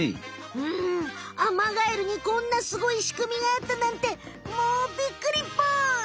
うんアマガエルにこんなスゴいしくみがあったなんてもうびっくりぽん！